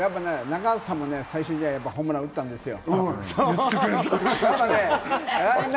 中畑さんも最終試合ホームラン打ったんですよ。